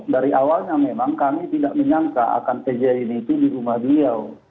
dari awalnya memang kami tidak menyangka akan kejadian itu di rumah beliau